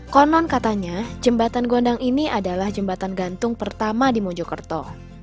konon katanya jembatan gondang ini adalah jembatan gantung pertama di mojokerto